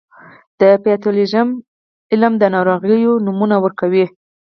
د پیتالوژي علم د ناروغیو نومونه ورکوي.